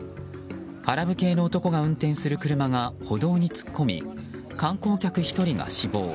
アラブ系の男が運転する車が歩道に突っ込み観光客１人が死亡。